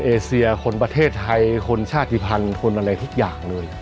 เอเซียคนประเทศไทยคนชาติภัณฑ์คนอะไรทุกอย่างเลย